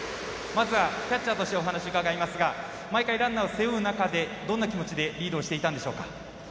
まずは、キャッチャーとしてお話伺いますが毎回、ランナーを背負う中でどんな気持ちでリードをしていたんでしょうか。